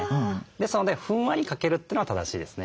ですのでふんわりかけるというのが正しいですね。